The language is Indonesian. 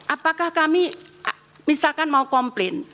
apakah kami misalkan mau komplain